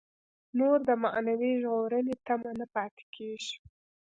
نور د معنوي ژغورنې تمه نه پاتې کېږي.